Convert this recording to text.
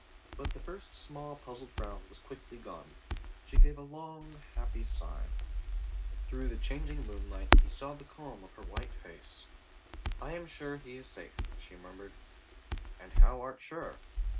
But the first small puzzled frown was quickly gone. She gave a long happy sigh. Through the changing moonlight he saw the calm of her white face. "I am sure he is safe," she murmured. "And how art sure?"